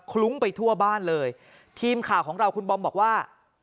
ลุ้งไปทั่วบ้านเลยทีมข่าวของเราคุณบอมบอกว่า